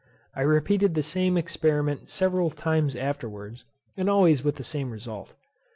I repeated the same experiment several times afterwards, and always with the same result.